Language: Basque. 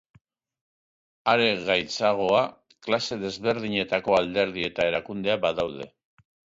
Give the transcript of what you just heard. Are gaitzagoa klase desberdinetako alderdi eta erakundeak badaude.